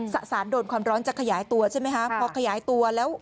สะสานโดนความร้อนจะขยายตัวใช่ไหมคะพอขยายตัวแล้ว